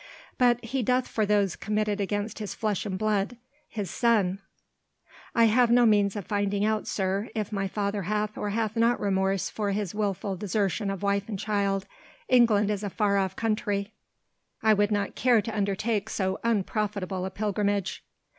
"But he doth for those committed against his flesh and blood his son " "I have no means of finding out, sir, if my father hath or hath not remorse for his wilful desertion of wife and child England is a far off country I would not care to undertake so unprofitable a pilgrimage."